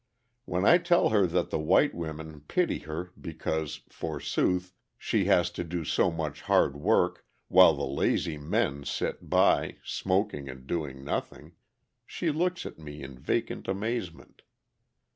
When I tell her that the white women pity her because, forsooth, "she has to do so much hard work, while the lazy men sit by, smoking, and doing nothing," she looks at me in vacant amazement.